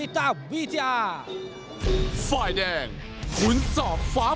สวัสดีครับ